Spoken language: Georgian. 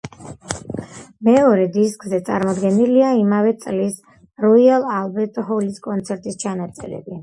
მეორე დისკზე წარმოდგენილია იმავე წლის როიალ ალბერტ ჰოლის კონცერტის ჩანაწერები.